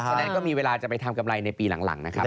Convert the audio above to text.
ฉะนั้นก็มีเวลาจะไปทำกำไรในปีหลังนะครับ